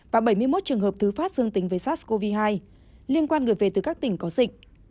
và bảy mươi một trường hợp thứ phát dương tính với sars cov hai liên quan người về từ các tỉnh có dịch